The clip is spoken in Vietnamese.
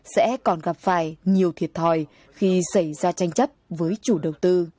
sẽ còn gặp phải nhiều thiệt thòi khi xảy ra tranh chấp với chủ đầu tư